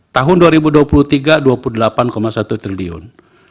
tahun dua ribu dua puluh tiga dua puluh delapan satu triliun